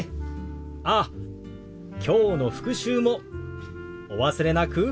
ああきょうの復習もお忘れなく。